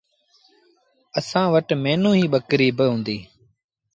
اَسآݩ وٽ ميݩوهيݩ ٻڪريݩ با هُݩديٚݩ۔